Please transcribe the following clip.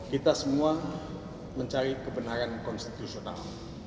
kita semua mencari kebenaran konstitusional